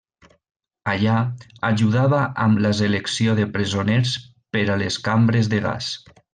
Allà, ajudava amb la selecció de presoners per a les cambres de gas.